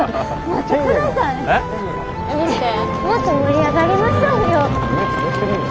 もっと盛り上がりましょうよ。